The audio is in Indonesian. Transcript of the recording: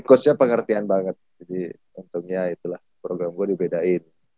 khususnya pengertian banget jadi untungnya itulah program gue dibedain